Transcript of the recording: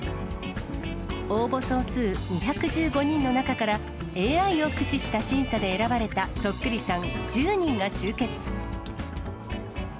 応募総数２１５人の中から、ＡＩを駆使した審査で選ばれたそっくりさん１０人が集結。